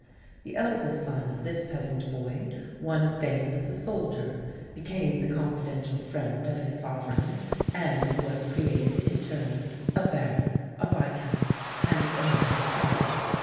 The eldest son of this peasant boy won fame as a soldier, became the confidential friend of his Sovereign, and was created in turn a Baron, a Viscount, and Earl of Craven.